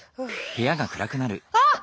あっ！